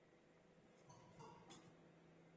لاس کښل شوی یو بل نقل بوداپست ته رسوي.